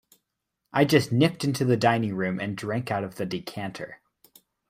I just nipped into the dining-room and drank out of the decanter.